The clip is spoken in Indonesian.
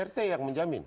rt yang menjamin